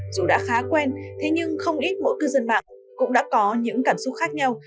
dù đã khá quen thế nhưng không ít mỗi cư dân mạng cũng đã có những cảm xúc khác nhau